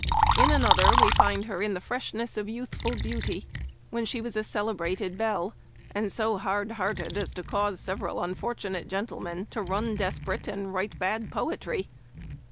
In another we find her in the freshness of youthful beauty, when she was a celebrated belle, and so hard hearted Memoir of Washington Irving. 1 1 5 as to cause several unfortunate gentlemen to run desperate and write bad poetry.